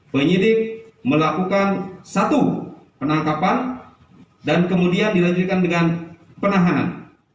penyidik melakukan satu penangkapan dan kemudian dilanjutkan dengan penahanan